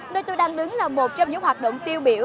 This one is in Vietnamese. nơi tôi đang đứng là một trong những hoạt động tiêu biểu